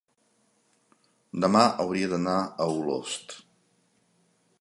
demà hauria d'anar a Olost.